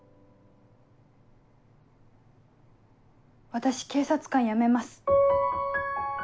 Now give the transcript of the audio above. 私警察官辞めます。